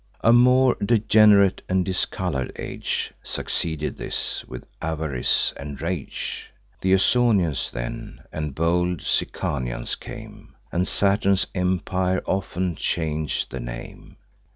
A more degenerate and discolour'd age Succeeded this, with avarice and rage. Th' Ausonians then, and bold Sicanians came; And Saturn's empire often chang'd the name.